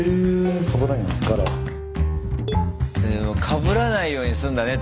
かぶらないようにするんだね